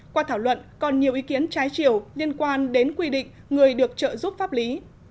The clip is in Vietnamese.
qua thảo luận còn nhiều ý kiến trái chiều liên quan đến quy định người được trợ giúp pháp lý